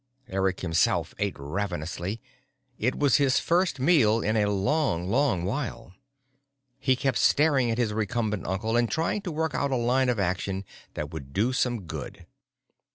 Eric himself ate ravenously: it was his first meal in a long, long while. He kept staring at his recumbent uncle and trying to work out a line of action that would do some good.